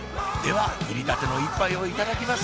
はいりたての１杯をいただきます